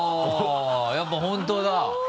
やっぱ本当だ。